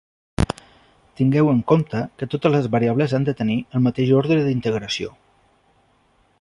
Tingueu en compte que totes les variables han de tenir el mateix ordre d'integració.